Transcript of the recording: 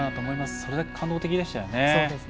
それだけ感動的でしたよね。